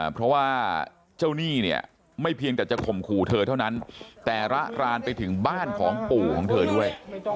เพราะว่าเจ้าหนี้เนี่ยไม่เพียงแต่จะข่มขู่เธอเท่านั้นแต่ระรานไปถึงบ้านของปู่ของเธอด้วย